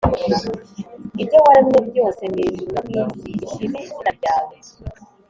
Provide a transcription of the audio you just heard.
Ibyo waremye byose mu ijuru no mu isi bishime izina ryawe